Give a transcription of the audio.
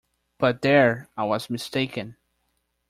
But there I was mistaken.